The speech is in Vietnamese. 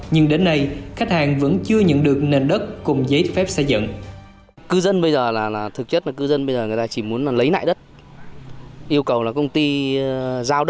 nhưng đến nay khách hàng vẫn chưa nhận được nền đất cùng giấy phép xây dựng